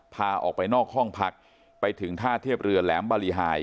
พาออกไปนอกห้องพักไปถึงท่าเทียบเรือแหลมบริหาย